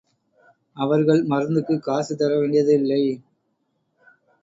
அவர்கள் மருந்துக்குக் காசு தர வேண்டியது இல்லை.